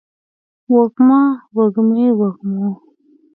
وږمه، وږمې ، وږمو